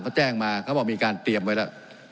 เขาแจ้งมาเขาบอกมีการเตรียมไว้แล้ว